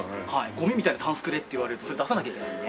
「ゴミみたいなタンスくれ」って言われるとそれ出さなきゃいけないので。